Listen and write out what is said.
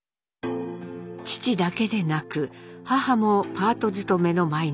父だけでなく母もパート勤めの毎日。